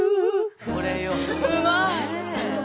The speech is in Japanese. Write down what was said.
これよ。